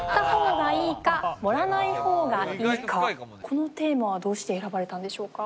このテーマはどうして選ばれたんでしょうか？